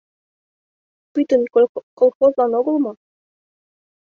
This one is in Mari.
Пӱтынь колхозлан огыл мо?